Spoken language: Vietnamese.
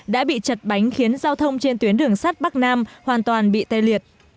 đã bị chật bánh khiến giao thông trên tuyến đường sắt bắc nam hoàn toàn bị tê liệt